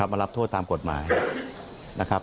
มารับโทษตามกฎหมายนะครับ